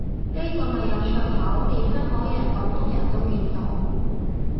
呢個咪有噱頭，連香港人廣東人都見到